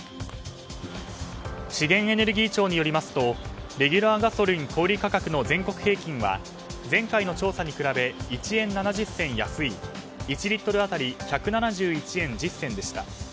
資源エネルギー庁によりますとレギュラーガソリン小売価格の全国平均は前回の調査に比べ１円７０銭安い１リットル当たり１７１円１０銭でした。